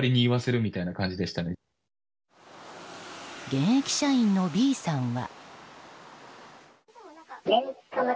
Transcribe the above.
現役社員のＢさんは。